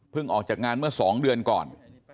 เพิ่งออกจากงานเมื่อสองเดือนก่อน